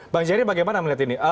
bang jerry bagaimana melihat ini